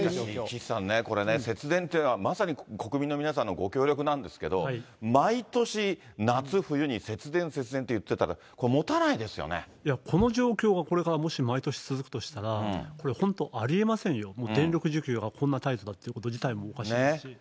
岸さんね、これね、節電というのはまさに国民の皆さんのご協力なんですけど、毎年、夏、冬に節電、節電って言ってたら、この状況がこれからもし毎年続くとしたら、これ本当、ありえませんよ、電力需給がこんなタイトだということもおかしいし。